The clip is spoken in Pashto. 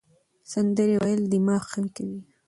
سندرې ویل دماغ قوي کوي.